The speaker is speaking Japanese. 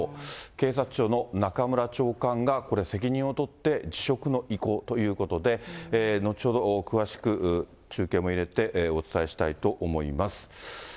警察庁の中村長官がこれ、責任を取って辞職の意向ということで、後ほど詳しく中継も入れてお伝えしたいと思います。